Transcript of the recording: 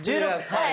はい！